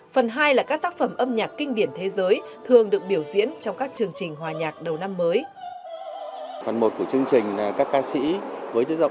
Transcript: phần hai là các tác phẩm âm nhạc kinh điển thế giới thường được biểu diễn trong các chương trình hòa nhạc đầu năm mới